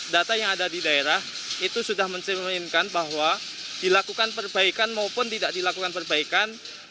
data yang ada di daerah itu sudah mencerminkan bahwa dilakukan perbaikan maupun tidak dilakukan perbaikan